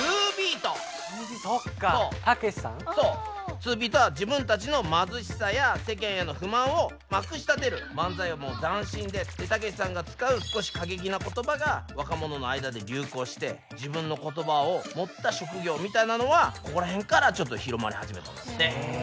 ツービートは自分たちの貧しさや世間への不満をまくしたてる漫才はもう斬新でたけしさんが使う少し過激な言葉が若者の間で流行して自分の言葉を持った職業みたいなのはここら辺からちょっと広まり始めたんですって。